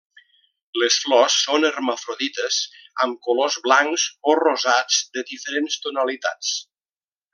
Les flors són hermafrodites, amb colors blancs, o rosats de diferents tonalitats.